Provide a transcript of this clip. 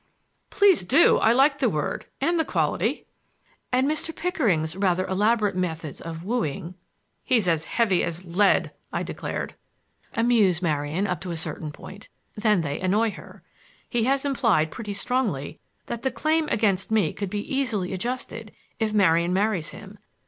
—" "Please do! I like the word—and the quality!" "—and Mr. Pickering's rather elaborate methods of wooing—" "He's as heavy as lead!" I declared. "—amuse Marian up to a certain point; then they annoy her. He has implied pretty strongly that the claim against me could be easily adjusted if Marian marries him.